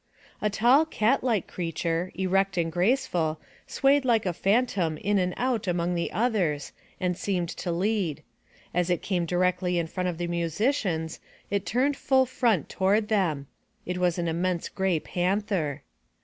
A tall, cat like creature, erect and graceful, swayed like a phantom in and out among the others and seemed to lead. As it came directly in front of the musicians it turned full front toward them. It was an immense gray panther.